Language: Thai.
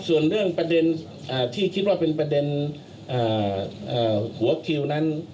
ส่วนเรื่องประเด็นที่คิดว่าเป็นประเด็นหัวคิวนั้น